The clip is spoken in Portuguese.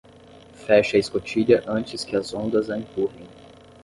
Feche a escotilha antes que as ondas a empurrem.